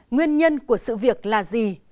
nguyên nhân của sự việc là gì